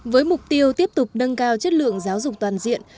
với mục tiêu tiếp tục nâng cao chất lượng giáo dục toàn diện